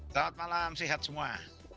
selamat malam sehat semua